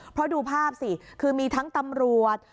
เพราะดูภาพสิคือมีทั้งตำรวจ